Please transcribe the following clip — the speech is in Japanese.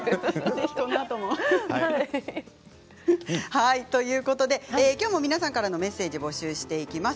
ぜひ、このあともきょうは皆さんからのメッセージも募集していきます。